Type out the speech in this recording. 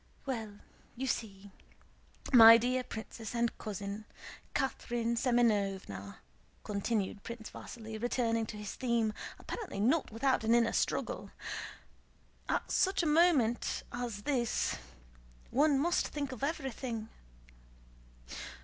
"Well, you see, my dear princess and cousin, Catherine Semënovna," continued Prince Vasíli, returning to his theme, apparently not without an inner struggle; "at such a moment as this one must think of everything.